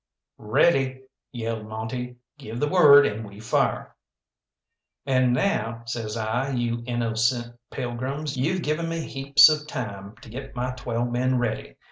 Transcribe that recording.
"Ready!" yelled Monte. "Give the word, and we fire." "And now," says I, "you innocent pilgrims, you've given me heaps of time to get my twelve men ready.